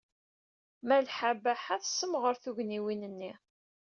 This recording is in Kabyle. Malḥa Baḥa tessemɣer tugniwin-nni.